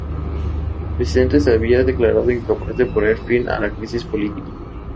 El presidente se había declarado incapaz de poner fin a la crisis política.